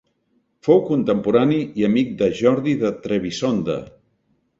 Fou contemporani i amic de Jordi de Trebisonda.